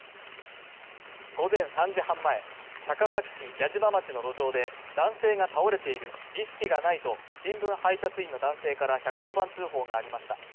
午前３時半前、高崎市矢島町の路上で男性が倒れている意識がないと新聞配達員の男性から１１０番通報がありました。